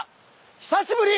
久しぶり！